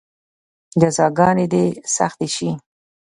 جزاګانې دې سختې شي.